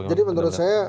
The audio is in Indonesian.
jadi menurut saya